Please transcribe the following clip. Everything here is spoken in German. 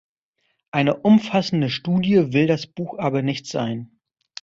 Eine umfassende Studie will das Buch aber nicht sein.